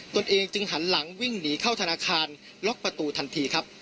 ตัวเองจึงหันหลังวิ่งหนีเข้าธนาคารล็อกประตูทันทีครับ